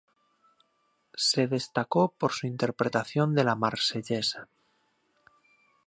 Se destacó por su interpretación de La Marsellesa.